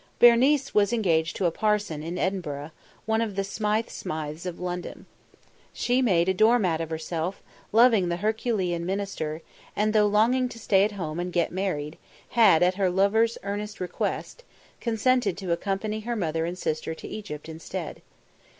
Berenice was engaged to a parson in Edinburgh, one of the Smythe Smythes of London. She made a doormat of herself, loving the herculean minister, and, though longing to stay at home and get married, had, at her lover's earnest request, consented to accompany her mother and sister to Egypt instead.